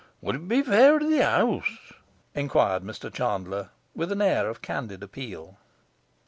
Would it be fair to the 'ouse?' enquired Mr Chandler, with an air of candid appeal.